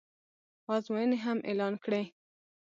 ازموینې هم اعلان کړې